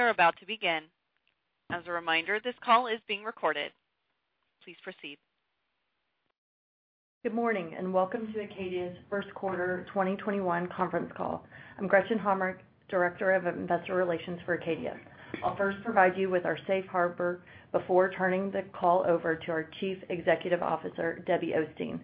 We are about to begin. As a reminder, this call is being recorded. Please proceed. Good morning. Welcome to Acadia's first quarter 2021 conference call. I'm Gretchen Hommrich, Director of Investor Relations for Acadia. I'll first provide you with our safe harbor before turning the call over to our Chief Executive Officer, Debbie Osteen.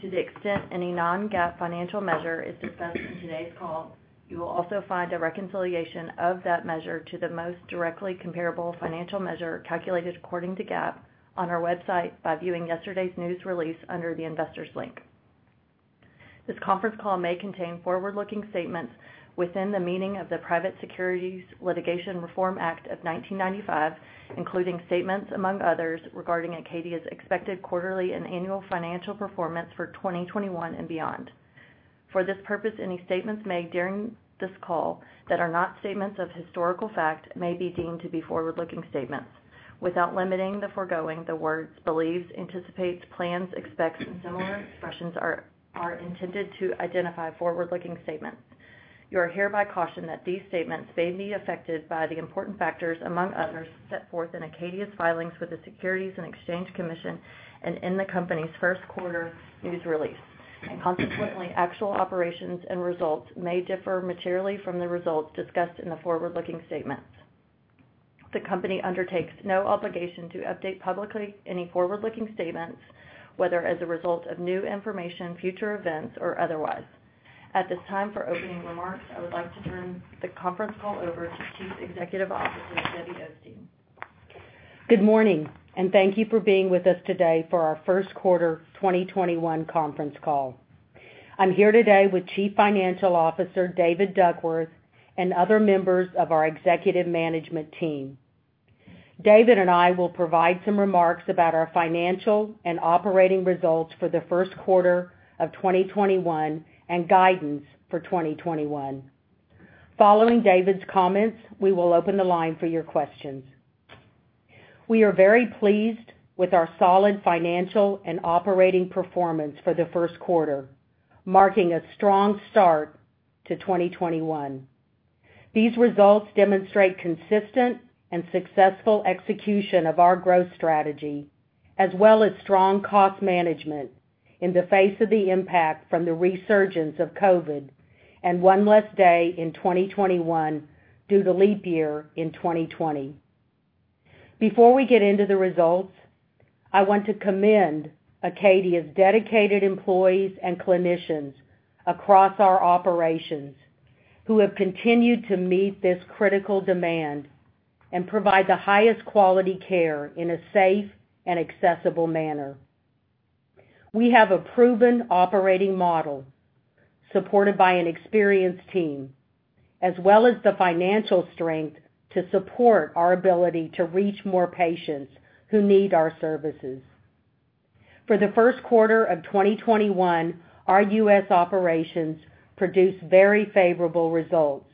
To the extent any Non-GAAP financial measure is discussed in today's call, you will also find a reconciliation of that measure to the most directly comparable financial measure calculated according to GAAP on our website by viewing yesterday's news release under the Investors link. This conference call may contain forward-looking statements within the meaning of the Private Securities Litigation Reform Act of 1995, including statements among others, regarding Acadia's expected quarterly and annual financial performance for 2021 and beyond. For this purpose, any statements made during this call that are not statements of historical fact may be deemed to be forward-looking statements. Without limiting the foregoing, the words "believes," "anticipates," "plans," "expects," and similar expressions are intended to identify forward-looking statements. You are hereby cautioned that these statements may be affected by the important factors, among others, set forth in Acadia's filings with the Securities and Exchange Commission and in the company's first quarter news release. Consequently, actual operations and results may differ materially from the results discussed in the forward-looking statements. The company undertakes no obligation to update publicly any forward-looking statements, whether as a result of new information, future events, or otherwise. At this time, for opening remarks, I would like to turn the conference call over to Chief Executive Officer, Debbie Osteen. Good morning, and thank you for being with us today for our first quarter 2021 conference call. I'm here today with Chief Financial Officer, David Duckworth, and other members of our executive management team. David and I will provide some remarks about our financial and operating results for the first quarter of 2021 and guidance for 2021. Following David's comments, we will open the line for your questions. We are very pleased with our solid financial and operating performance for the first quarter, marking a strong start to 2021. These results demonstrate consistent and successful execution of our growth strategy, as well as strong cost management in the face of the impact from the resurgence of COVID-19 and one less day in 2021 due to leap year in 2020. Before we get into the results, I want to commend Acadia's dedicated employees and clinicians across our operations who have continued to meet this critical demand and provide the highest quality care in a safe and accessible manner. We have a proven operating model supported by an experienced team, as well as the financial strength to support our ability to reach more patients who need our services. For the first quarter of 2021, our U.S. operations produced very favorable results,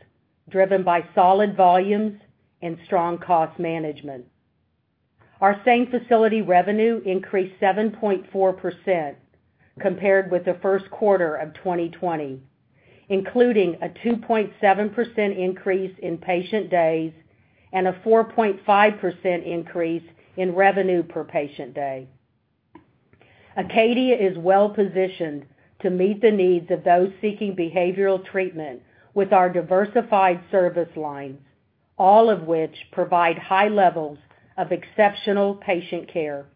driven by solid volumes and strong cost management. Our same-facility revenue increased 7.4% compared with the first quarter of 2020, including a 2.7% increase in patient days and a 4.5% increase in revenue per patient day. Acadia is well-positioned to meet the needs of those seeking behavioral treatment with our diversified service lines, all of which provide high levels of exceptional patient care.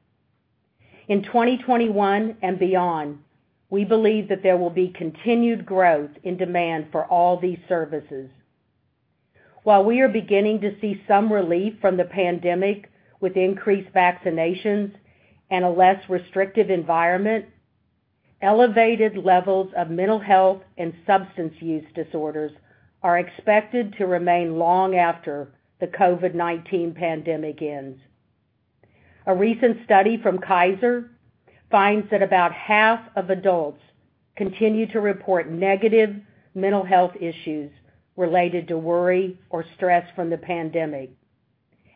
In 2021 and beyond, we believe that there will be continued growth in demand for all these services. While we are beginning to see some relief from the pandemic with increased vaccinations and a less restrictive environment, elevated levels of mental health and substance use disorders are expected to remain long after the COVID-19 pandemic ends. A recent study from Kaiser Permanente finds that about half of adults continue to report negative mental health issues related to worry or stress from the pandemic.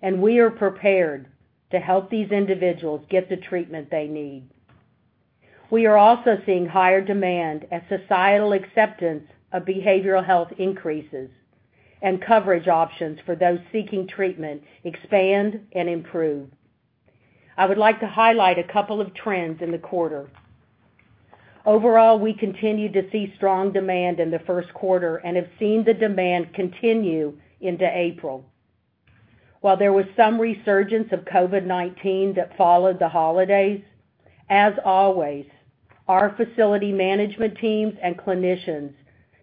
We are prepared to help these individuals get the treatment they need. We are also seeing higher demand as societal acceptance of behavioral health increases and coverage options for those seeking treatment expand and improve. I would like to highlight a couple of trends in the quarter. Overall, we continued to see strong demand in the first quarter and have seen the demand continue into April. While there was some resurgence of COVID-19 that followed the holidays, as always, our facility management teams and clinicians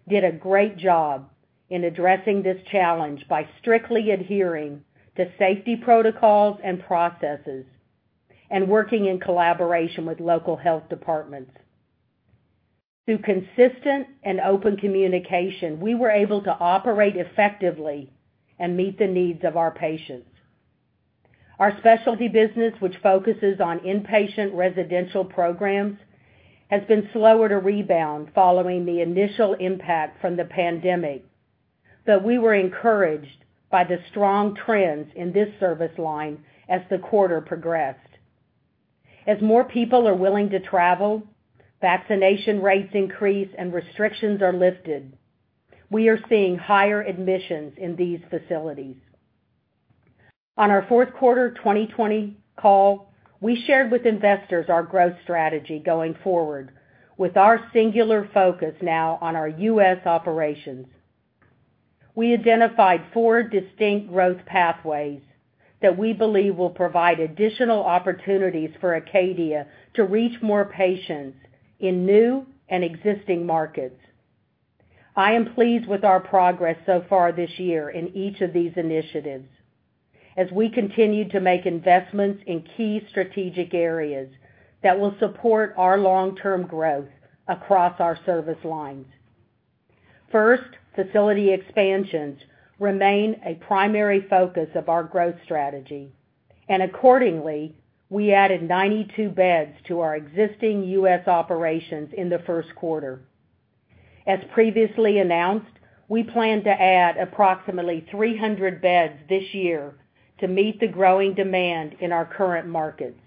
did a great job in addressing this challenge by strictly adhering to safety protocols and processes and working in collaboration with local health departments. Through consistent and open communication, we were able to operate effectively and meet the needs of our patients. Our specialty business, which focuses on inpatient residential programs, has been slower to rebound following the initial impact from the pandemic. We were encouraged by the strong trends in this service line as the quarter progressed. As more people are willing to travel, vaccination rates increase, and restrictions are lifted, we are seeing higher admissions in these facilities. On our fourth quarter 2020 call, we shared with investors our growth strategy going forward with our singular focus now on our U.S. operations. We identified four distinct growth pathways that we believe will provide additional opportunities for Acadia to reach more patients in new and existing markets. I am pleased with our progress so far this year in each of these initiatives as we continue to make investments in key strategic areas that will support our long-term growth across our service lines. First, facility expansions remain a primary focus of our growth strategy, and accordingly, we added 92 beds to our existing U.S. operations in the first quarter. As previously announced, we plan to add approximately 300 beds this year to meet the growing demand in our current markets.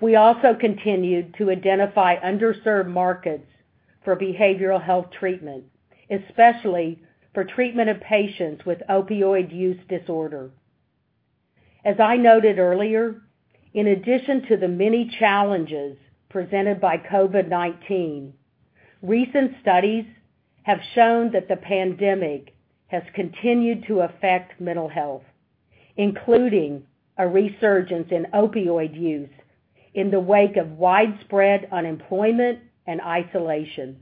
We also continued to identify underserved markets for behavioral health treatment, especially for treatment of patients with opioid use disorder. As I noted earlier, in addition to the many challenges presented by COVID-19, recent studies have shown that the pandemic has continued to affect mental health, including a resurgence in opioid use in the wake of widespread unemployment and isolation.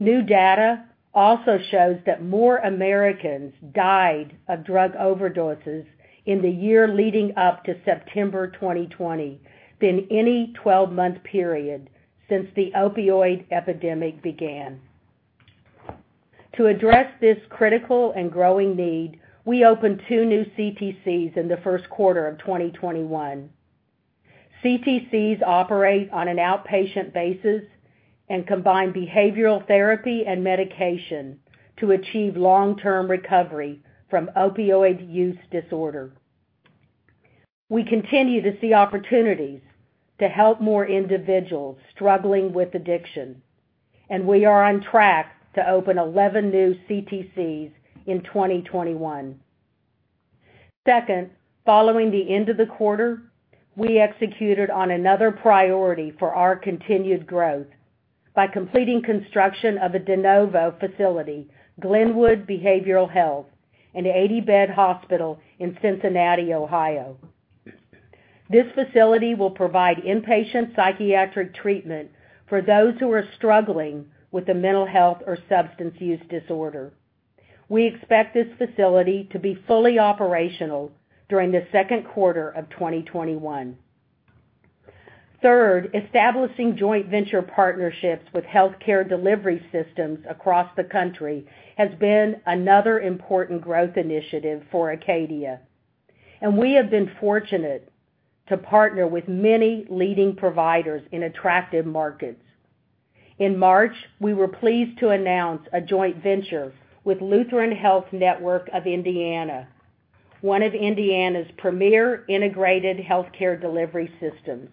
New data also shows that more Americans died of drug overdoses in the year leading up to September 2020 than any 12-month period since the opioid epidemic began. To address this critical and growing need, we opened two new CTCs in the first quarter of 2021. CTCs operate on an outpatient basis and combine behavioral therapy and medication to achieve long-term recovery from opioid use disorder. We continue to see opportunities to help more individuals struggling with addiction, and we are on track to open 11 new CTCs in 2021. Second, following the end of the quarter, we executed on another priority for our continued growth by completing construction of a de novo facility, Glenwood Behavioral Health, an 80-bed hospital in Cincinnati, Ohio. This facility will provide inpatient psychiatric treatment for those who are struggling with a mental health or substance use disorder. We expect this facility to be fully operational during the second quarter of 2021. Third, establishing joint venture partnerships with healthcare delivery systems across the country has been another important growth initiative for Acadia, and we have been fortunate to partner with many leading providers in attractive markets. In March, we were pleased to announce a joint venture with Lutheran Health Network of Indiana, one of Indiana's premier integrated healthcare delivery systems.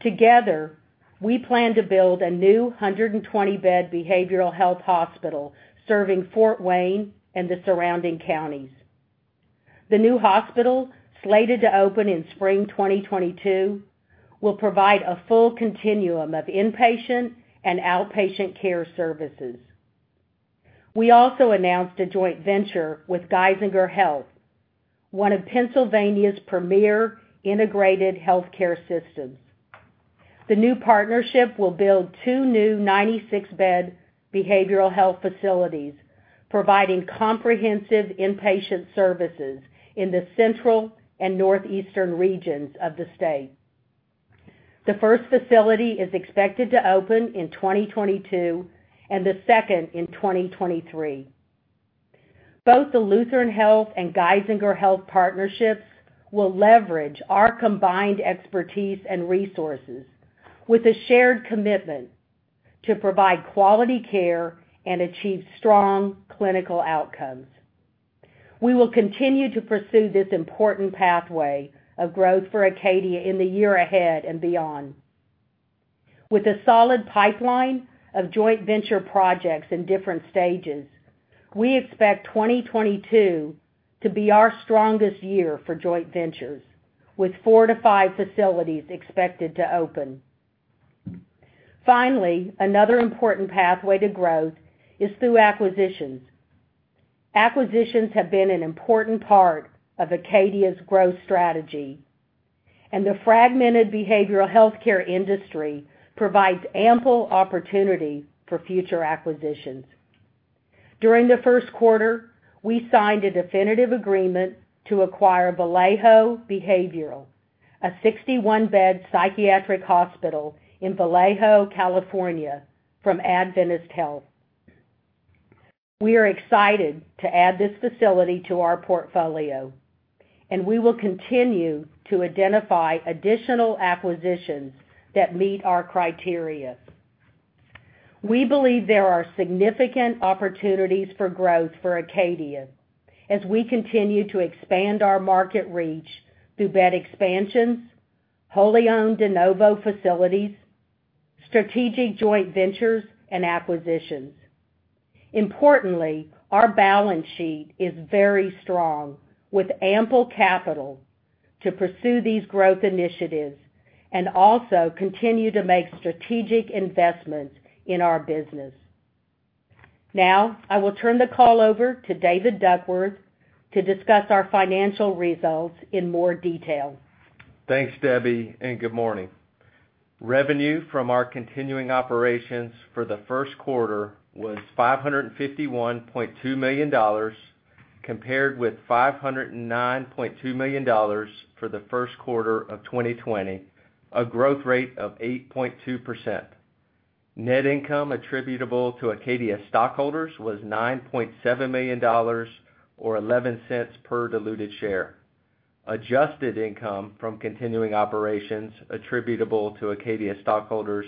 Together, we plan to build a new 120-bed behavioral health hospital serving Fort Wayne and the surrounding counties. The new hospital, slated to open in spring 2022, will provide a full continuum of inpatient and outpatient care services. We also announced a joint venture with Geisinger Health, one of Pennsylvania's premier integrated healthcare systems. The new partnership will build two new 96-bed behavioral health facilities, providing comprehensive inpatient services in the central and northeastern regions of the state. The first facility is expected to open in 2022 and the second in 2023. Both the Lutheran Health and Geisinger Health partnerships will leverage our combined expertise and resources with a shared commitment to provide quality care and achieve strong clinical outcomes. We will continue to pursue this important pathway of growth for Acadia in the year ahead and beyond. With a solid pipeline of joint venture projects in different stages, we expect 2022 to be our strongest year for joint ventures, with four to five facilities expected to open. Finally, another important pathway to growth is through acquisitions. Acquisitions have been an important part of Acadia's growth strategy, and the fragmented behavioral healthcare industry provides ample opportunity for future acquisitions. During the first quarter, we signed a definitive agreement to acquire Adventist Health Vallejo, a 61-bed psychiatric hospital in Vallejo, California, from Adventist Health. We are excited to add this facility to our portfolio and we will continue to identify additional acquisitions that meet our criteria. We believe there are significant opportunities for growth for Acadia as we continue to expand our market reach through bed expansions, wholly owned de novo facilities, strategic joint ventures, and acquisitions. Importantly, our balance sheet is very strong, with ample capital to pursue these growth initiatives and also continue to make strategic investments in our business. Now, I will turn the call over to David Duckworth to discuss our financial results in more detail. Thanks, Debbie, and good morning. Revenue from our continuing operations for the first quarter was $551.2 million, compared with $509.2 million for the first quarter of 2020, a growth rate of 8.2%. Net income attributable to Acadia stockholders was $9.7 million, or $0.11 per diluted share. Adjusted income from continuing operations attributable to Acadia stockholders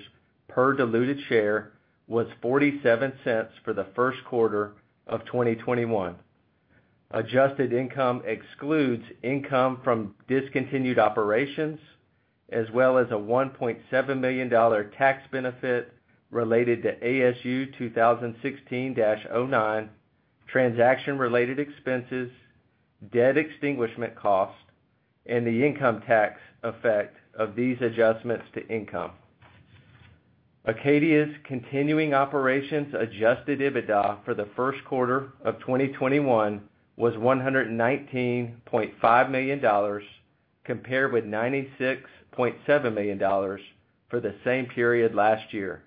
per diluted share was $0.47 for the first quarter of 2021. Adjusted income excludes income from discontinued operations, as well as a $1.7 million tax benefit related to ASU 2016-09, transaction-related expenses, debt extinguishment cost, and the income tax effect of these adjustments to income. Acadia's continuing operations adjusted EBITDA for the first quarter of 2021 was $119.5 million, compared with $96.7 million for the same period last year.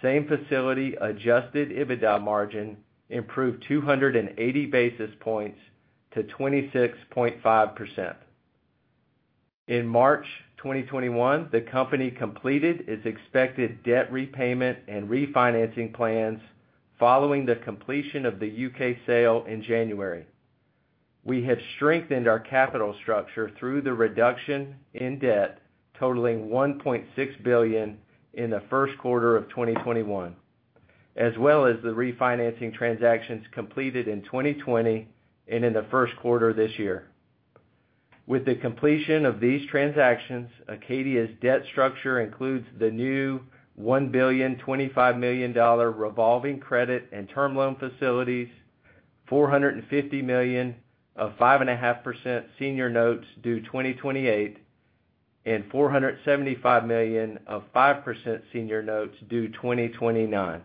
Same-facility adjusted EBITDA margin improved 280 basis points to 26.5%. In March 2021, the company completed its expected debt repayment and refinancing plans following the completion of the U.K. sale in January. We have strengthened our capital structure through the reduction in debt totaling $1.6 billion in the first quarter of 2021, as well as the refinancing transactions completed in 2020 and in the first quarter this year. With the completion of these transactions, Acadia's debt structure includes the new $1.025 billion revolving credit and term loan facilities, $450 million of 5.5% senior notes due 2028, and $475 million of 5% senior notes due 2029.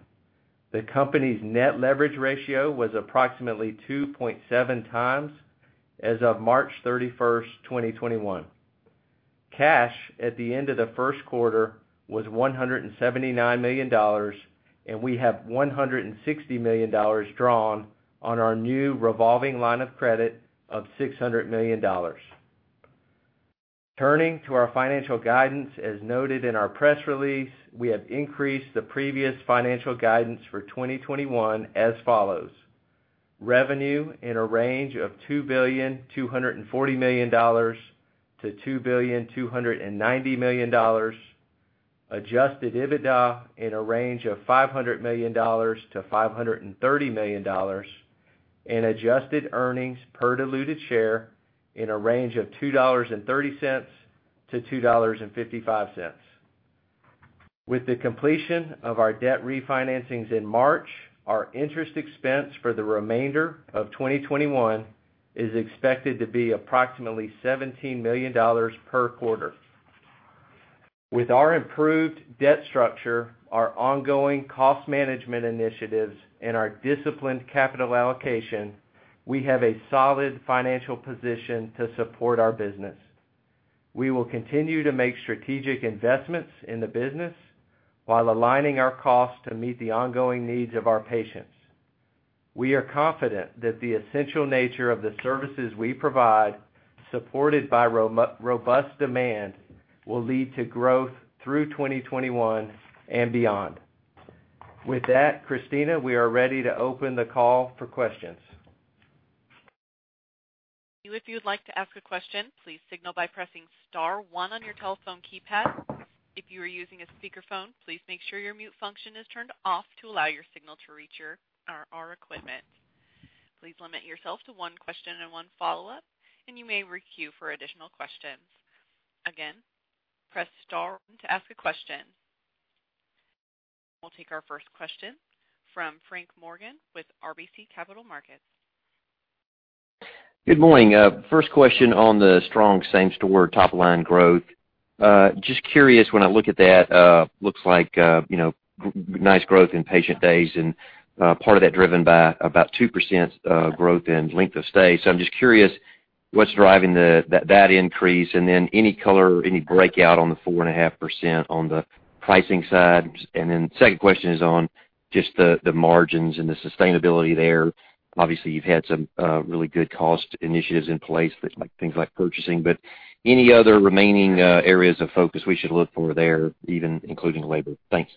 The company's net leverage ratio was approximately 2.7x as of March 31st, 2021. Cash at the end of the first quarter was $179 million, and we have $160 million drawn on our new revolving line of credit of $600 million. Turning to our financial guidance, as noted in our press release, we have increased the previous financial guidance for 2021 as follows: revenue in a range of $2 billion to $240 million to $2 billion to $290 million, adjusted EBITDA in a range of $500 million-$530 million, and adjusted earnings per diluted share in a range of $2.30-$2.55. With the completion of our debt refinancings in March, our interest expense for the remainder of 2021 is expected to be approximately $17 million per quarter. With our improved debt structure, our ongoing cost management initiatives, and our disciplined capital allocation, we have a solid financial position to support our business. We will continue to make strategic investments in the business while aligning our costs to meet the ongoing needs of our patients. We are confident that the essential nature of the services we provide, supported by robust demand, will lead to growth through 2021 and beyond. With that, Christina, we are ready to open the call for questions. If you'd like to ask a question, please signal by pressing star one on your telephone keypad. If you are using a speakerphone, please make sure your mute function is turned off to allow your signal to reach our equipment. Please limit yourself to one question and one follow-up, and you may re-queue for additional questions. Again, press * to ask a question. We'll take our first question from Frank Morgan with RBC Capital Markets. Good morning. First question on the strong same-store top-line growth. Just curious, when I look at that, looks like nice growth in patient days, and part of that driven by about 2% growth in length of stay. I'm just curious what's driving that increase, and then any color or any breakout on the 4.5% on the pricing side? Second question is on just the margins and the sustainability there. Obviously, you've had some really good cost initiatives in place, things like purchasing, but any other remaining areas of focus we should look for there, even including labor? Thanks.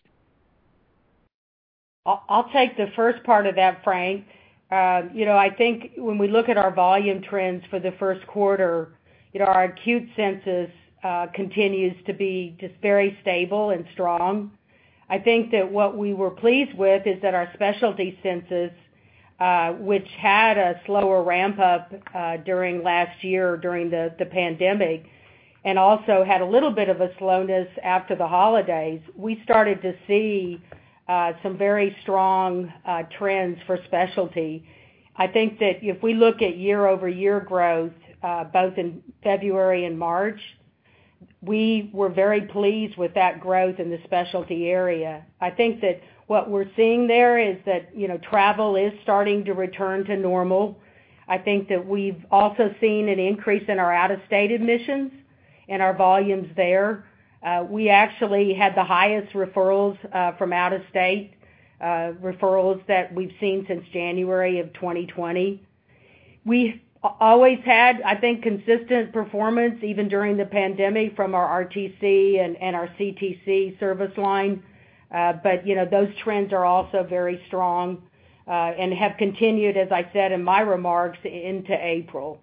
I'll take the first part of that, Frank. I think when we look at our volume trends for the first quarter, our acute census continues to be just very stable and strong. I think that what we were pleased with is that our specialty census, which had a slower ramp-up during last year during the pandemic, and also had a little bit of a slowness after the holidays, we started to see some very strong trends for specialty. I think that if we look at year-over-year growth both in February and March, we were very pleased with that growth in the specialty area. I think that what we're seeing there is that travel is starting to return to normal. I think that we've also seen an increase in our out-of-state admissions and our volumes there. We actually had the highest referrals from out of state, referrals that we've seen since January of 2020. We always had, I think, consistent performance even during the pandemic from our RTC and our CTC service line. Those trends are also very strong and have continued, as I said in my remarks, into April.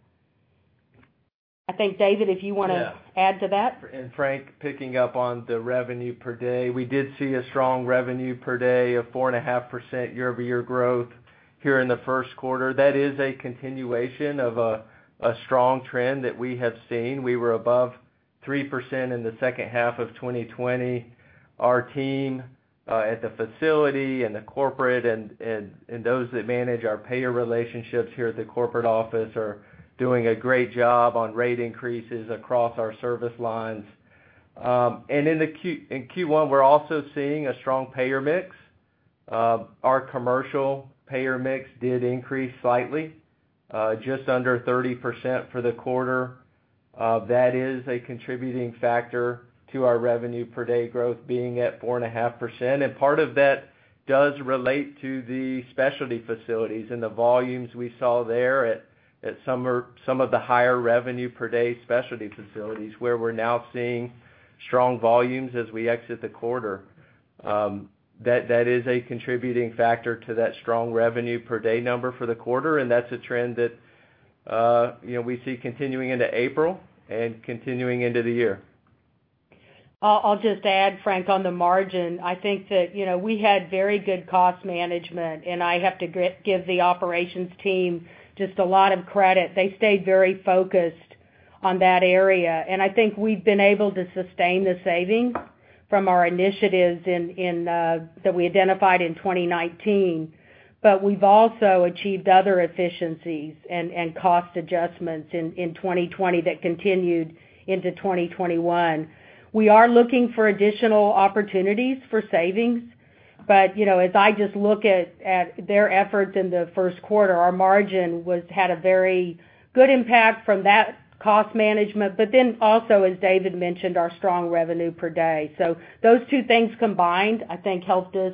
I think, David, if you want to add to that. Yeah. Frank, picking up on the revenue per day, we did see a strong revenue per day of 4.5% year-over-year growth here in the first quarter. That is a continuation of a strong trend that we have seen. We were above 3% in the second half of 2020. Our team at the facility and the corporate and those that manage our payer relationships here at the corporate office are doing a great job on rate increases across our service lines. In Q1, we're also seeing a strong payer mix. Our commercial payer mix did increase slightly, just under 30% for the quarter. That is a contributing factor to our revenue per day growth being at 4.5%. Part of that does relate to the specialty facilities and the volumes we saw there at some of the higher revenue per day specialty facilities, where we're now seeing strong volumes as we exit the quarter. That is a contributing factor to that strong revenue per day number for the quarter. That's a trend that we see continuing into April and continuing into the year. I'll just add, Frank, on the margin, I think that we had very good cost management and I have to give the operations team just a lot of credit. They stayed very focused on that area, and I think we've been able to sustain the savings from our initiatives that we identified in 2019. We've also achieved other efficiencies and cost adjustments in 2020 that continued into 2021. We are looking for additional opportunities for savings. As I just look at their efforts in the first quarter, our margin had a very good impact from that cost management. Also, as David mentioned, our strong revenue per day. Those two things combined, I think helped us,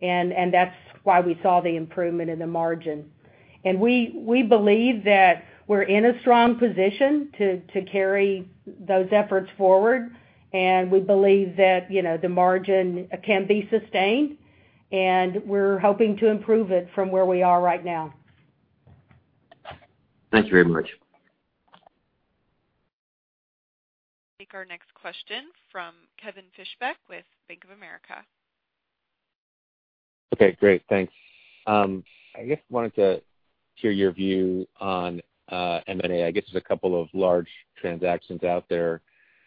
and that's why we saw the improvement in the margin. We believe that we're in a strong position to carry those efforts forward, and we believe that the margin can be sustained and we're hoping to improve it from where we are right now. Thank you very much. Take our next question from Kevin Fischbeck with Bank of America. Okay, great. Thanks. I just wanted to hear your view on M&A. I guess there's a couple of large transactions out there.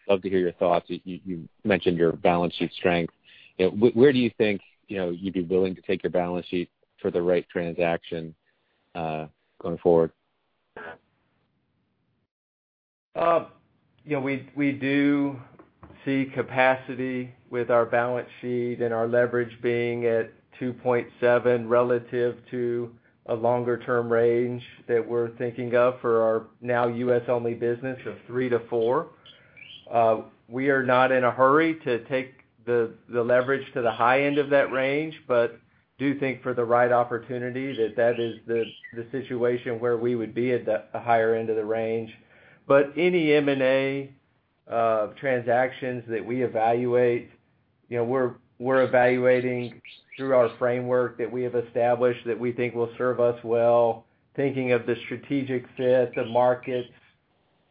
Love to hear your thoughts. You mentioned your balance sheet strength. Where do you think you'd be willing to take your balance sheet for the right transaction going forward? We do see capacity with our balance sheet and our leverage being at 2.7x relative to a longer-term range that we're thinking of for our now U.S.-only business of 3x-4x. We are not in a hurry to take the leverage to the high end of that range, but do think for the right opportunity that that is the situation where we would be at the higher end of the range. Any M&A transactions that we evaluate, we're evaluating through our framework that we have established that we think will serve us well, thinking of the strategic fit, the markets,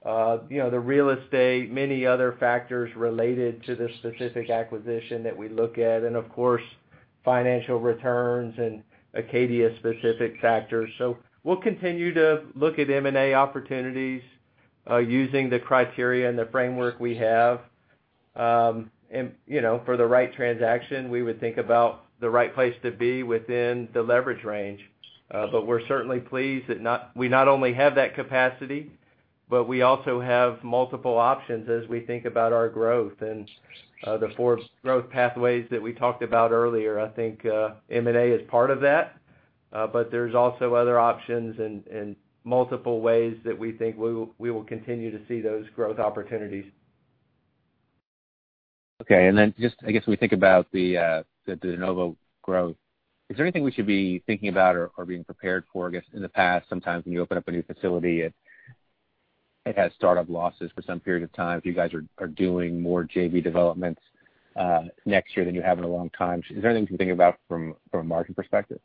the real estate, many other factors related to the specific acquisition that we look at, and of course, financial returns and Acadia-specific factors. We'll continue to look at M&A opportunities using the criteria and the framework we have. For the right transaction, we would think about the right place to be within the leverage range. We're certainly pleased that we not only have that capacity, but we also have multiple options as we think about our growth and the four growth pathways that we talked about earlier. I think M&A is part of that. There's also other options and multiple ways that we think we will continue to see those growth opportunities. Just, I guess, when we think about the de novo growth, is there anything we should be thinking about or being prepared for? I guess in the past, sometimes when you open up a new facility it has startup losses for some period of time. If you guys are doing more JV developments next year than you have in a long time, is there anything you can think about from a margin perspective?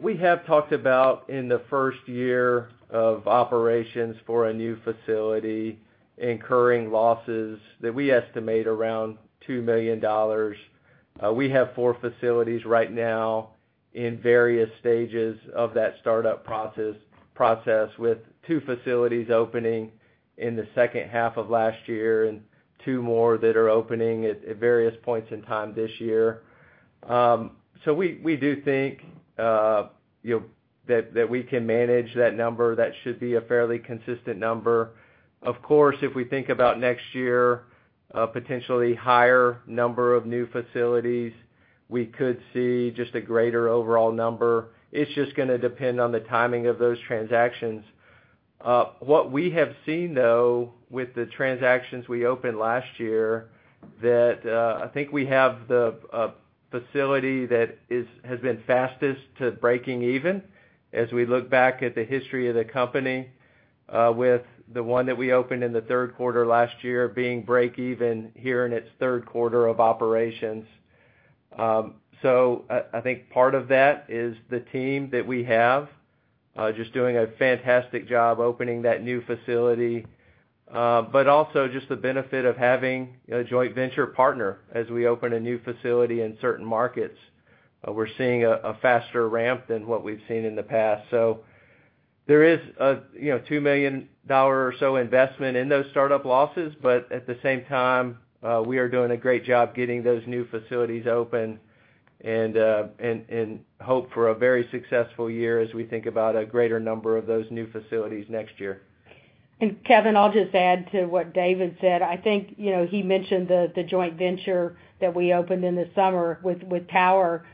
We have talked about in the first year of operations for a new facility incurring losses that we estimate around $2 million. We have four facilities right now in various stages of that startup process, with two facilities opening in the second half of last year and two more that are opening at various points in time this year. We do think that we can manage that number. That should be a fairly consistent number. Of course, if we think about next year, a potentially higher number of new facilities, we could see just a greater overall number. It's just going to depend on the timing of those transactions. What we have seen, though, with the transactions we opened last year, that I think we have the facility that has been fastest to breaking even as we look back at the history of the company, with the one that we opened in the third quarter last year being break even here in its third quarter of operations. I think part of that is the team that we have just doing a fantastic job opening that new facility. Also just the benefit of having a joint venture partner as we open a new facility in certain markets. We're seeing a faster ramp than what we've seen in the past. There is a $2 million or so investment in those startup losses. At the same time, we are doing a great job getting those new facilities open and hope for a very successful year as we think about a greater number of those new facilities next year. Kevin, I'll just add to what David said. I think he mentioned the joint venture that we opened in the summer with Tower Health.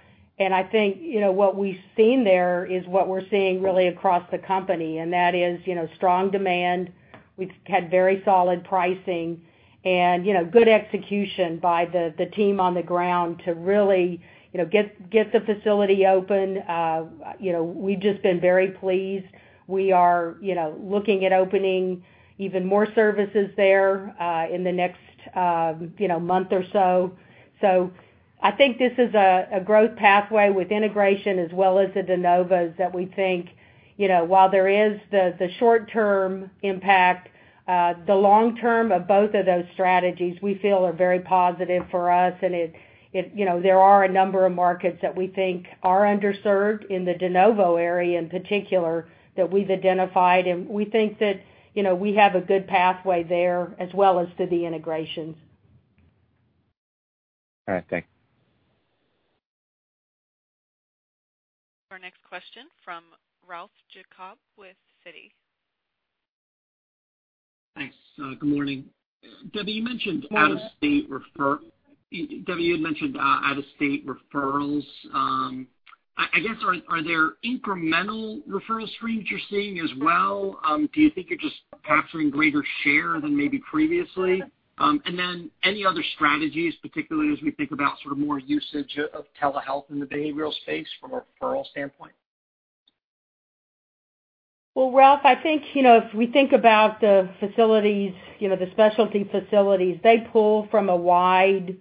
I think what we've seen there is what we're seeing really across the company, and that is strong demand. We've had very solid pricing and good execution by the team on the ground to really get the facility open. We've just been very pleased. We are looking at opening even more services there in the next month or so. I think this is a growth pathway with integration as well as the de novos that we think, while there is the short-term impact, the long term of both of those strategies, we feel are very positive for us. There are a number of markets that we think are underserved in the de novo area in particular that we've identified, and we think that we have a good pathway there as well as to the integrations. All right. Thanks. Our next question from Ralph Giacobbe with Citi. Thanks. Good morning. Debbie, you had mentioned out-of-state referrals. I guess are there incremental referral streams you're seeing as well? Do you think you're just capturing greater share than maybe previously? Any other strategies, particularly as we think about sort of more usage of telehealth in the behavioral space from a referral standpoint? Well, Ralph, I think, if we think about the facilities, the specialty facilities, they pull from a wide range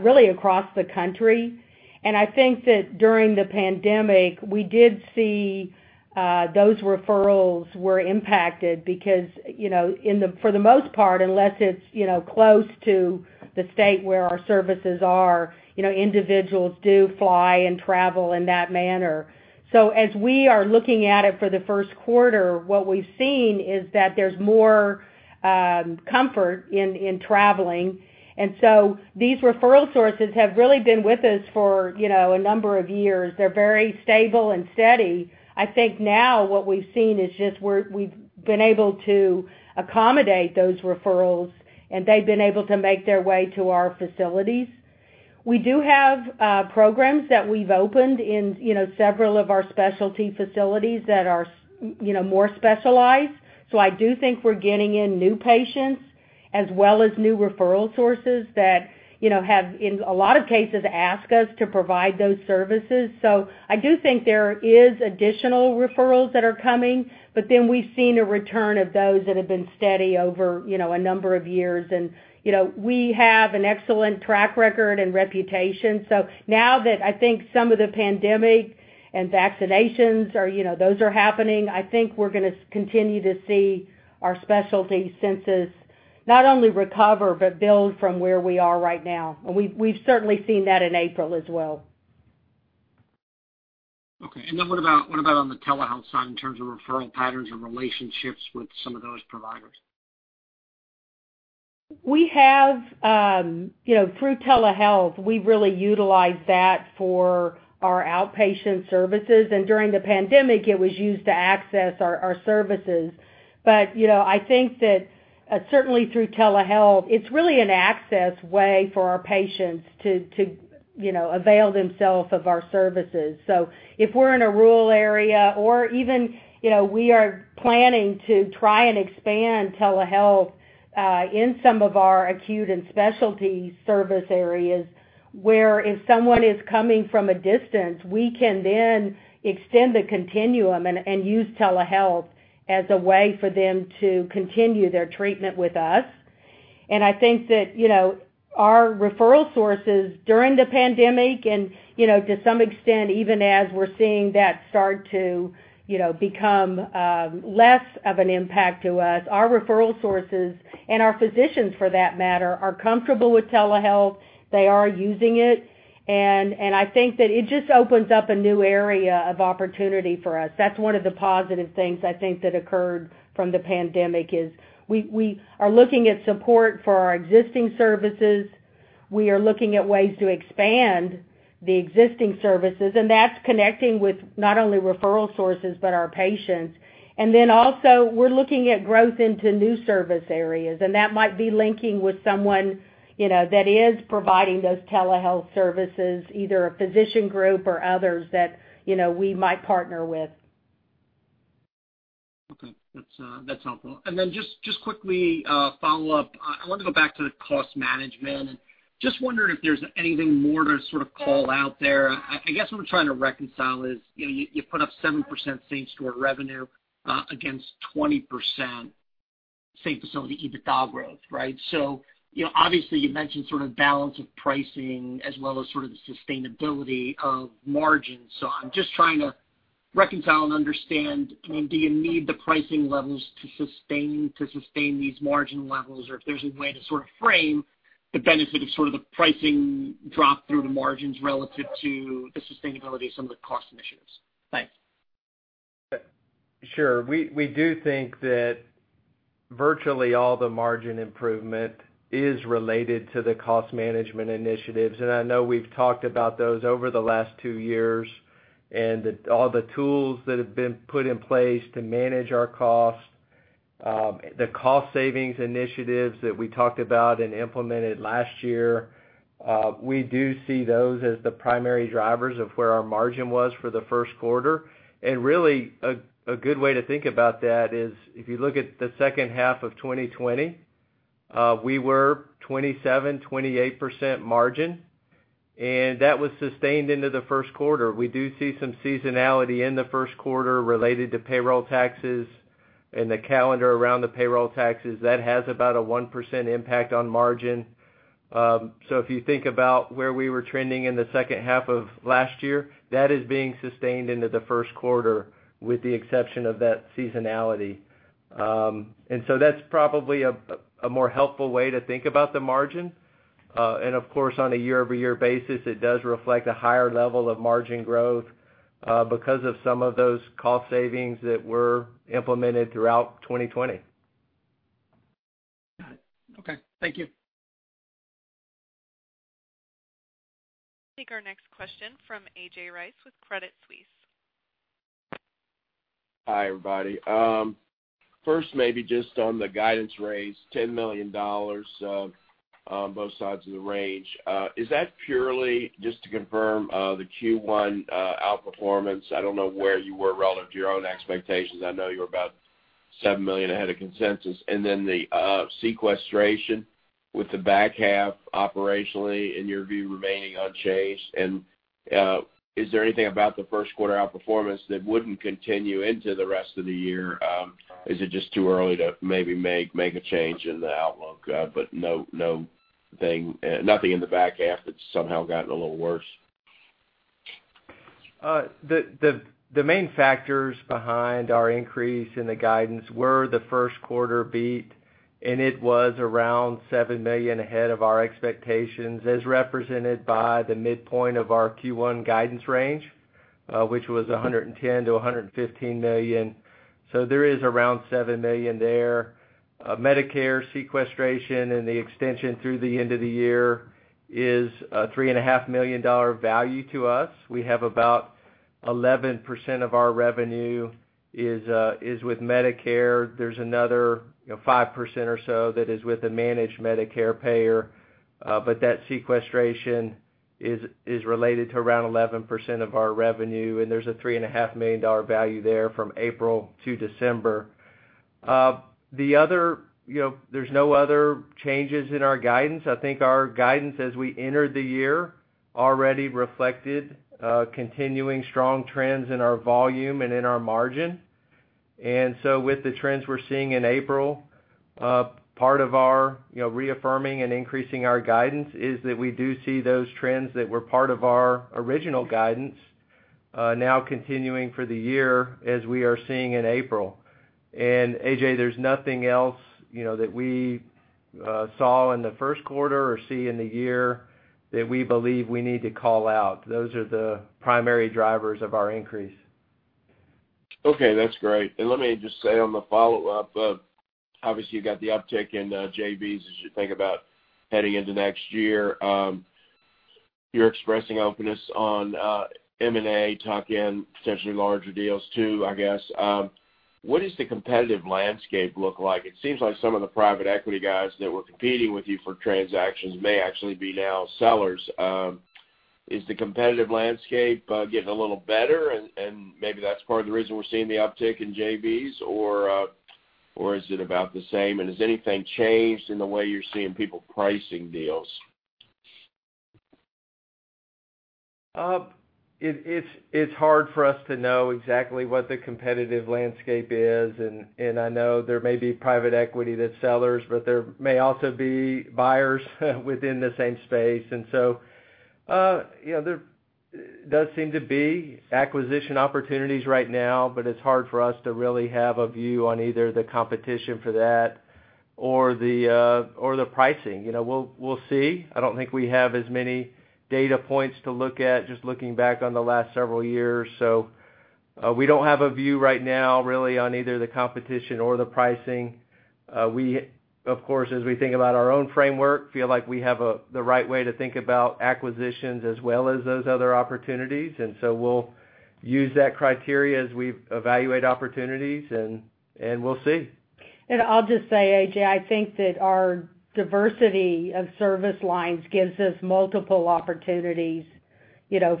really across the country. I think that during the pandemic, we did see those referrals were impacted because, for the most part, unless it's close to the state where our services are, individuals do fly and travel in that manner. As we are looking at it for the first quarter, what we've seen is that there's more comfort in traveling. These referral sources have really been with us for a number of years. They're very stable and steady. I think now what we've seen is just we've been able to accommodate those referrals, and they've been able to make their way to our facilities. We do have programs that we've opened in several of our specialty facilities that are more specialized. I do think we're getting in new patients as well as new referral sources that have, in a lot of cases, asked us to provide those services. I do think there is additional referrals that are coming, but then we've seen a return of those that have been steady over a number of years. We have an excellent track record and reputation. Now that I think some of the pandemic and vaccinations are happening, I think we're going to continue to see our specialty census not only recover but build from where we are right now. We've certainly seen that in April as well. Okay. Then what about on the telehealth side in terms of referral patterns and relationships with some of those providers? Through telehealth, we really utilize that for our outpatient services. During the pandemic, it was used to access our services. I think that certainly through telehealth, it's really an access way for our patients to avail themselves of our services. If we're in a rural area or even, we are planning to try and expand telehealth in some of our acute and specialty service areas, where if someone is coming from a distance, we can then extend the continuum and use telehealth as a way for them to continue their treatment with us. I think that our referral sources during the pandemic and, to some extent, even as we're seeing that start to become less of an impact to us, our referral sources and our physicians, for that matter, are comfortable with telehealth. They are using it, and I think that it just opens up a new area of opportunity for us. That's one of the positive things I think that occurred from the pandemic is we are looking at support for our existing services. We are looking at ways to expand the existing services, and that's connecting with not only referral sources, but our patients. We're looking at growth into new service areas, and that might be linking with someone that is providing those telehealth services, either a physician group or others that we might partner with. Okay. That's helpful. Just quickly follow up, I want to go back to the cost management and just wondering if there's anything more to sort of call out there. I guess what I'm trying to reconcile is, you put up 7% same-store revenue, against 20% same-facility EBITDA growth, right? Obviously you mentioned balance of pricing as well as the sustainability of margins. I'm just trying to reconcile and understand, do you need the pricing levels to sustain these margin levels? If there's a way to frame the benefit of the pricing drop through the margins relative to the sustainability of some of the cost initiatives. Thanks. Sure. We do think that virtually all the margin improvement is related to the cost management initiatives. I know we've talked about those over the last two years and all the tools that have been put in place to manage our cost. The cost savings initiatives that we talked about and implemented last year, we do see those as the primary drivers of where our margin was for the first quarter. Really, a good way to think about that is if you look at the second half of 2020, we were 27%-28% margin, and that was sustained into the first quarter. We do see some seasonality in the first quarter related to payroll taxes and the calendar around the payroll taxes. That has about a 1% impact on margin. If you think about where we were trending in the second half of last year, that is being sustained into the first quarter, with the exception of that seasonality. That's probably a more helpful way to think about the margin. Of course, on a year-over-year basis, it does reflect a higher level of margin growth, because of some of those cost savings that were implemented throughout 2020. Got it. Okay. Thank you. Take our next question from A.J. Rice with Credit Suisse. Hi, everybody. maybe just on the guidance raise, $10 million on both sides of the range. Is that purely just to confirm the Q1 outperformance? I don't know where you were relative to your own expectations. I know you were about $7 million ahead of consensus. the sequestration with the back half operationally in your view remaining unchanged. Is there anything about the first quarter outperformance that wouldn't continue into the rest of the year? Is it just too early to maybe make a change in the outlook? nothing in the back half that's somehow gotten a little worse. The main factors behind our increase in the guidance were the first quarter beat, and it was around $7 million ahead of our expectations as represented by the midpoint of our Q1 guidance range, which was $110 million-$115 million. There is around $7 million there. Medicare sequestration and the extension through the end of the year is a $3.5 million value to us. We have about 11% of our revenue is with Medicare. There's another 5% or so that is with a managed Medicare payer. That sequestration is related to around 11% of our revenue, and there's a $3.5 million value there from April to December. There's no other changes in our guidance. I think our guidance as we entered the year already reflected continuing strong trends in our volume and in our margin. With the trends we're seeing in April, part of our reaffirming and increasing our guidance is that we do see those trends that were part of our original guidance, now continuing for the year as we are seeing in April. A.J., there's nothing else that we saw in the first quarter or see in the year that we believe we need to call out. Those are the primary drivers of our increase. Okay, that's great. Let me just say on the follow-up, obviously you've got the uptick in JVs as you think about heading into next year. You're expressing openness on M&A, tuck-in potentially larger deals too, I guess. What does the competitive landscape look like? It seems like some of the private equity guys that were competing with you for transactions may actually be now sellers. Is the competitive landscape getting a little better? Maybe that's part of the reason we're seeing the uptick in JVs, or is it about the same? Has anything changed in the way you're seeing people pricing deals? It's hard for us to know exactly what the competitive landscape is. I know there may be private equity that sellers, but there may also be buyers within the same space. There does seem to be acquisition opportunities right now, but it's hard for us to really have a view on either the competition for that or the pricing. We'll see. I don't think we have as many data points to look at, just looking back on the last several years. We don't have a view right now, really, on either the competition or the pricing. We, of course, as we think about our own framework, feel like we have the right way to think about acquisitions as well as those other opportunities. We'll use that criteria as we evaluate opportunities, and we'll see. I'll just say, A.J., I think that our diversity of service lines gives us multiple opportunities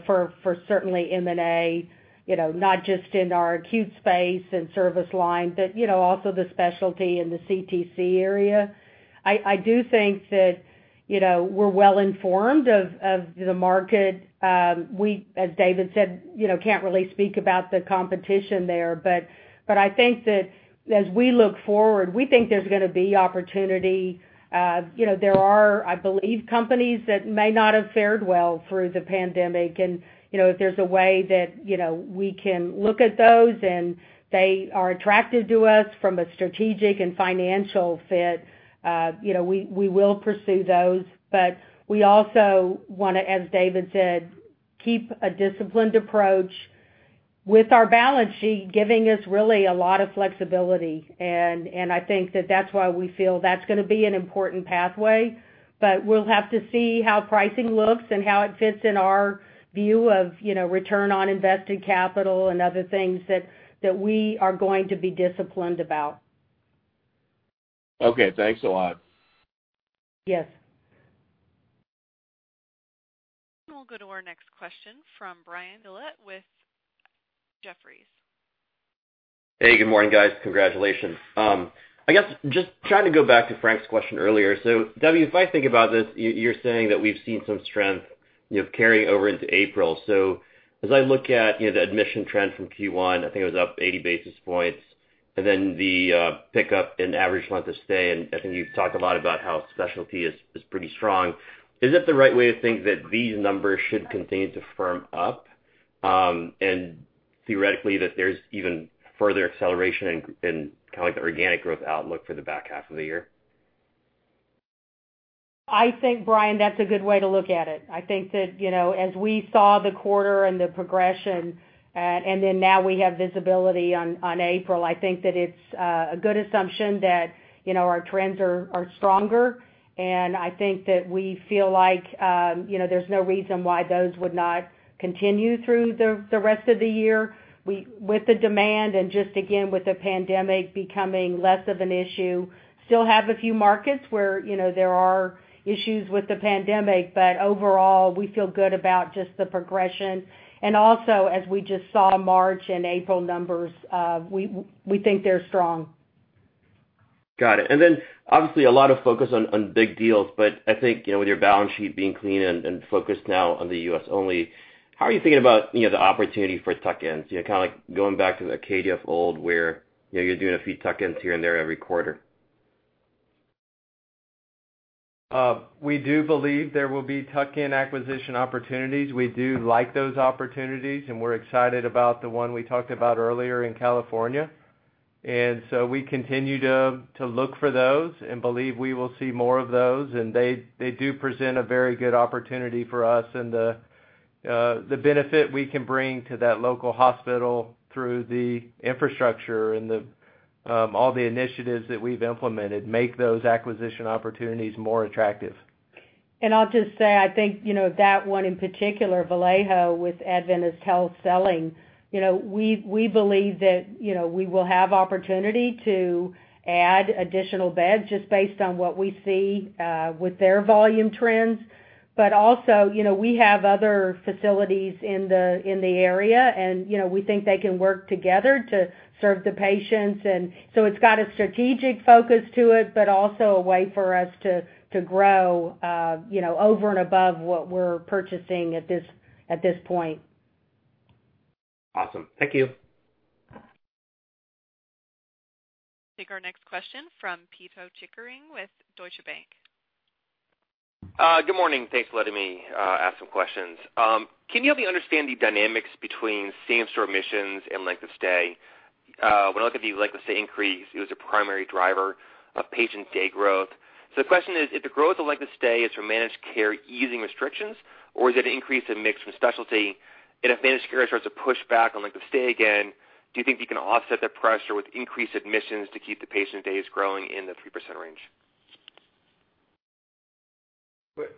for certainly M&A, not just in our acute space and service line, but also the specialty and the CTC area. I do think that we're well informed of the market. We, as David said, can't really speak about the competition there. I think that as we look forward, we think there's going to be opportunity. There are, I believe, companies that may not have fared well through the pandemic. If there's a way that we can look at those and they are attractive to us from a strategic and financial fit, we will pursue those. We also want to, as David said, keep a disciplined approach with our balance sheet, giving us really a lot of flexibility. I think that that's why we feel that's going to be an important pathway. We'll have to see how pricing looks and how it fits in our view of return on invested capital and other things that we are going to be disciplined about. Okay, thanks a lot. Yes. We'll go to our next question from Brian Tanquilut with Jefferies. Hey, good morning, guys. Congratulations. I guess just trying to go back to Frank's question earlier. Debbie, if I think about this, you're saying that we've seen some strength carry over into April. As I look at the admission trend from Q1, I think it was up 80 basis points, and then the pickup in average length of stay, and I think you've talked a lot about how specialty is pretty strong. Is that the right way to think that these numbers should continue to firm up? Theoretically, that there's even further acceleration in the organic growth outlook for the back half of the year? I think, Brian, that's a good way to look at it. I think that as we saw the quarter and the progression, and then now we have visibility on April, I think that it's a good assumption that our trends are stronger. I think that we feel like there's no reason why those would not continue through the rest of the year. With the demand and just again, with the pandemic becoming less of an issue, still have a few markets where there are issues with the pandemic, but overall, we feel good about just the progression. Also, as we just saw March and April numbers, we think they're strong. Got it. Obviously, a lot of focus on big deals, I think, with your balance sheet being clean and focused now on the U.S. only, how are you thinking about the opportunity for tuck-ins? Kind of like going back to the Acadia of old where you're doing a few tuck-ins here and there every quarter. We do believe there will be tuck-in acquisition opportunities. We do like those opportunities, and we're excited about the one we talked about earlier in California. We continue to look for those and believe we will see more of those, and they do present a very good opportunity for us. The benefit we can bring to that local hospital through the infrastructure and all the initiatives that we've implemented make those acquisition opportunities more attractive. I'll just say, I think that one in particular, Vallejo, with Adventist Health selling, we believe that we will have opportunity to add additional beds just based on what we see with their volume trends. Also, we have other facilities in the area, and we think they can work together to serve the patients. It's got a strategic focus to it, but also a way for us to grow over and above what we're purchasing at this point. Awesome. Thank you. Take our next question from Pito Chickering with Deutsche Bank. Good morning. Thanks for letting me ask some questions. Can you help me understand the dynamics between same-store admissions and length of stay? When I look at the length of stay increase, it was a primary driver of patient day growth. The question is, if the growth of length of stay is from managed care easing restrictions, or is it an increase in mix from specialty? If managed care starts to push back on length of stay again, do you think you can offset that pressure with increased admissions to keep the patient days growing in the 3% range?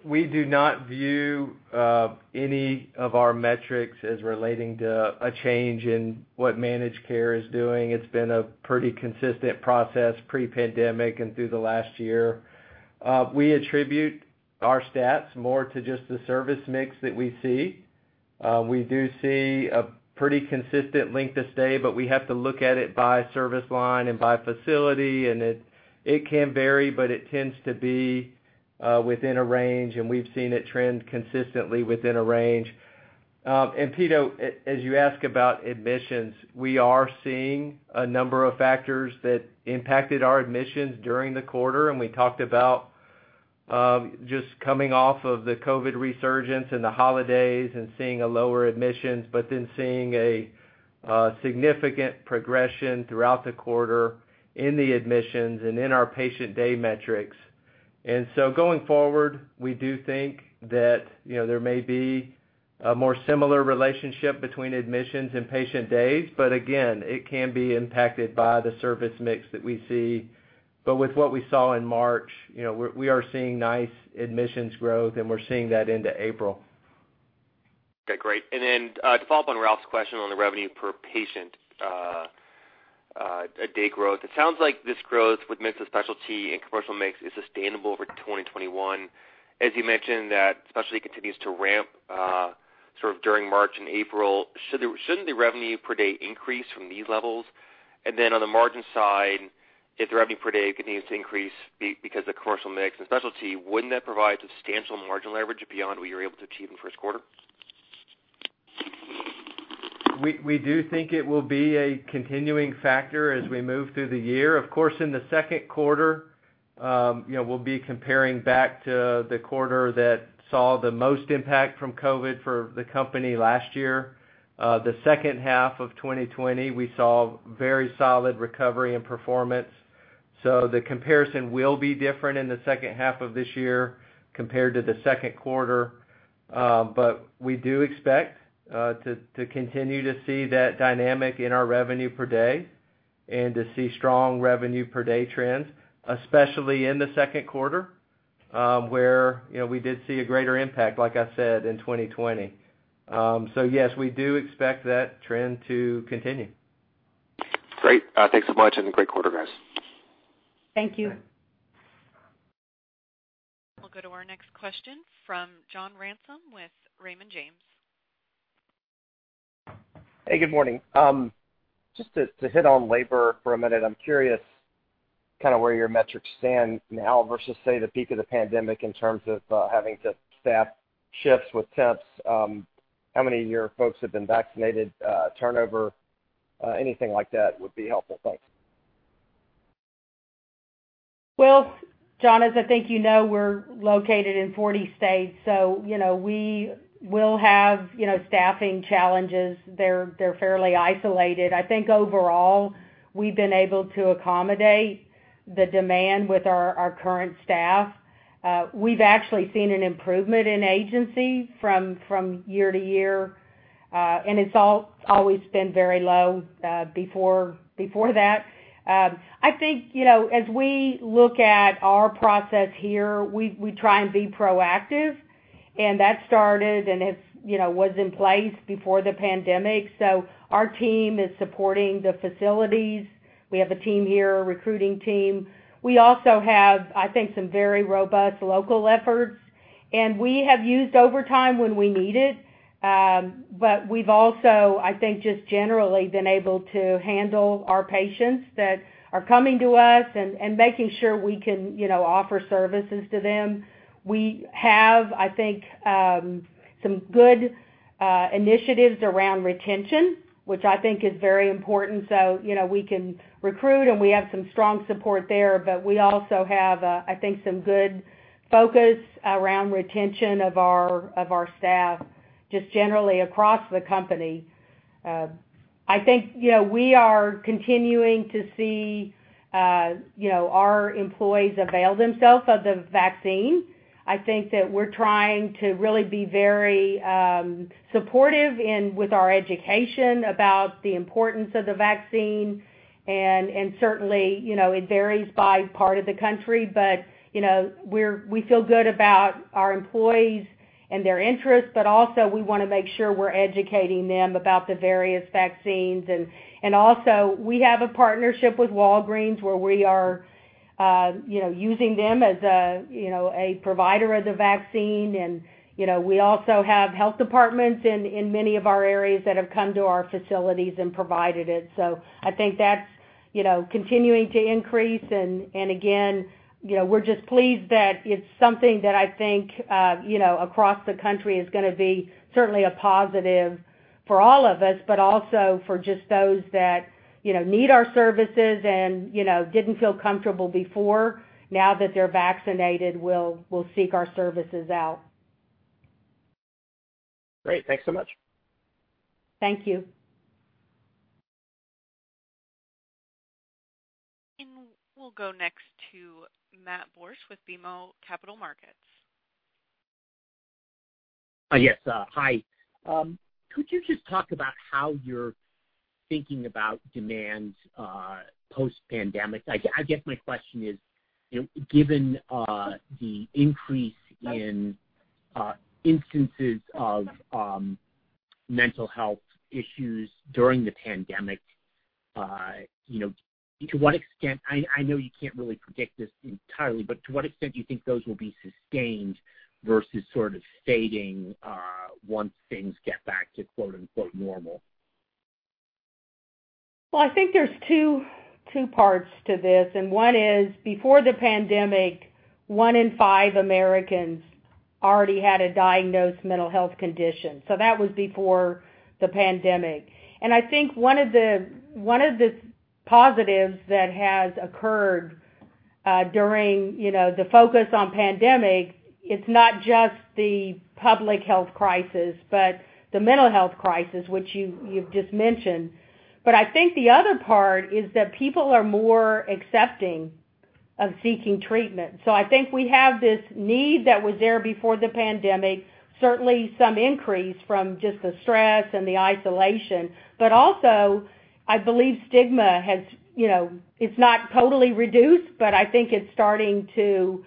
We do not view any of our metrics as relating to a change in what managed care is doing. It's been a pretty consistent process pre-pandemic and through the last year. We attribute our stats more to just the service mix that we see. We do see a pretty consistent length of stay, but we have to look at it by service line and by facility, and it can vary, but it tends to be within a range, and we've seen it trend consistently within a range. Pito, as you ask about admissions, we are seeing a number of factors that impacted our admissions during the quarter, and we talked about just coming off of the COVID resurgence and the holidays and seeing a lower admissions, but then seeing a significant progression throughout the quarter in the admissions and in our patient day metrics. Going forward, we do think that there may be a more similar relationship between admissions and patient days, but again, it can be impacted by the service mix that we see. With what we saw in March, we are seeing nice admissions growth, and we are seeing that into April. Okay, great. To follow up on Ralph's question on the revenue per patient day growth, it sounds like this growth with mix of specialty and commercial mix is sustainable over 2021. As you mentioned that specialty continues to ramp sort of during March and April. Shouldn't the revenue per day increase from these levels? On the margin side, if the revenue per day continues to increase because the commercial mix and specialty, wouldn't that provide substantial margin leverage beyond what you were able to achieve in the first quarter? We do think it will be a continuing factor as we move through the year. Of course, in the second quarter, we'll be comparing back to the quarter that saw the most impact from COVID for the company last year. The second half of 2020, we saw very solid recovery and performance. The comparison will be different in the second half of this year compared to the second quarter. We do expect to continue to see that dynamic in our revenue per day and to see strong revenue per day trends, especially in the second quarter, where we did see a greater impact, like I said, in 2020. Yes, we do expect that trend to continue. Great. Thanks a bunch, and great quarter, guys. Thank you. We'll go to our next question from John Ransom with Raymond James. Hey, good morning. Just to hit on labor for a minute, I'm curious where your metrics stand now versus, say, the peak of the pandemic in terms of having to staff shifts with temps. How many of your folks have been vaccinated? Turnover, anything like that would be helpful. Thanks. Well, John Ransom, as I think you know, we're located in 40 states, so we will have staffing challenges. They're fairly isolated. I think overall, we've been able to accommodate the demand with our current staff. We've actually seen an improvement in agency from year to year, and it's always been very low before that. I think, as we look at our process here, we try and be proactive, and that started and was in place before the pandemic. Our team is supporting the facilities. We have a team here, a recruiting team. We also have, I think, some very robust local efforts, and we have used overtime when we need it. We've also, I think, just generally been able to handle our patients that are coming to us and making sure we can offer services to them. We have, I think, some good initiatives around retention, which I think is very important. We can recruit, and we have some strong support there, but we also have, I think, some good focus around retention of our staff just generally across the company. I think we are continuing to see our employees avail themselves of the vaccine. I think that we're trying to really be very supportive with our education about the importance of the vaccine, and certainly, it varies by part of the country, but we feel good about our employees and their interests, but also we want to make sure we're educating them about the various vaccines. We have a partnership with Walgreens where we are using them as a provider of the vaccine. We also have health departments in many of our areas that have come to our facilities and provided it. I think that's continuing to increase. Again, we're just pleased that it's something that I think, across the country is going to be certainly a positive for all of us, but also for just those that need our services and didn't feel comfortable before, now that they're vaccinated, will seek our services out. Great. Thanks so much. Thank you. We'll go next to Matt Borsch with BMO Capital Markets. Yes, hi. Could you just talk about how you're thinking about demand post-pandemic? I guess my question is, given the increase in instances of mental health issues during the pandemic, to what extent, I know you can't really predict this entirely, but to what extent do you think those will be sustained versus fading once things get back to "normal"? Well, I think there's two parts to this, one is before the pandemic, one in five Americans already had a diagnosed mental health condition. That was before the pandemic. I think one of the positives that has occurred during the focus on pandemic, it's not just the public health crisis, but the mental health crisis, which you've just mentioned. I think the other part is that people are more accepting of seeking treatment. I think we have this need that was there before the pandemic, certainly some increase from just the stress and the isolation. Also, I believe stigma, it's not totally reduced, but I think it's starting to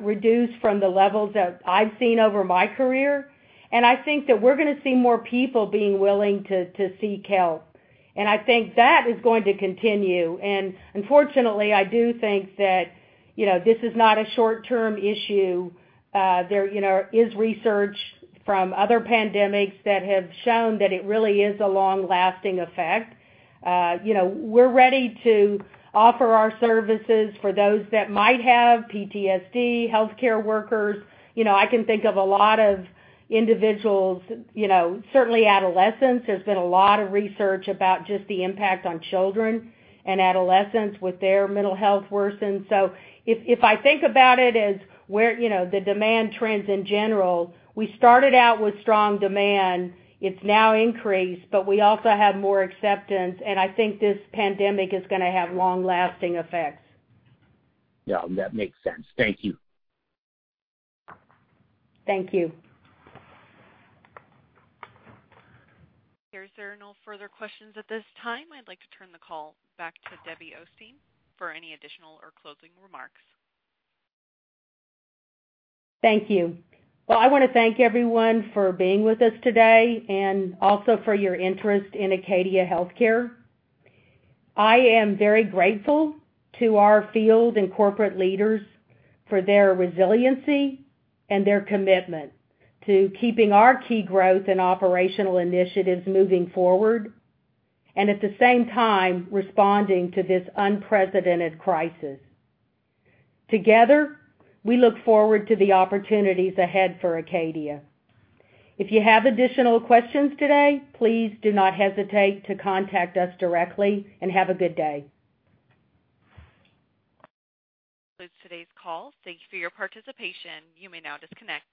reduce from the levels that I've seen over my career. I think that we're going to see more people being willing to seek help. I think that is going to continue. Unfortunately, I do think that this is not a short-term issue. There is research from other pandemics that have shown that it really is a long-lasting effect. We're ready to offer our services for those that might have PTSD, healthcare workers. I can think of a lot of individuals, certainly adolescents. There's been a lot of research about just the impact on children and adolescents with their mental health worsened. If I think about it as the demand trends in general, we started out with strong demand. It's now increased, but we also have more acceptance, and I think this pandemic is going to have long-lasting effects. Yeah. That makes sense. Thank you. Thank you. There are no further questions at this time. I'd like to turn the call back to Debbie Osteen for any additional or closing remarks. Thank you. Well, I want to thank everyone for being with us today and also for your interest in Acadia Healthcare. I am very grateful to our field and corporate leaders for their resiliency and their commitment to keeping our key growth and operational initiatives moving forward, and at the same time, responding to this unprecedented crisis. Together, we look forward to the opportunities ahead for Acadia. If you have additional questions today, please do not hesitate to contact us directly, and have a good day. That concludes today's call. Thank you for your participation. You may now disconnect.